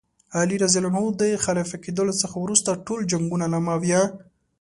علي رض د خلیفه کېدلو څخه وروسته ټول جنګونه له معاویه.